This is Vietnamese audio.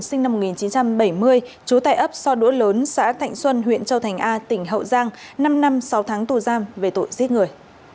sinh năm một nghìn chín trăm bảy mươi trú tại ấp so đũa lớn xã thạnh xuân huyện châu thành a tỉnh hậu giang năm năm sáu tháng tù giam về tội giết người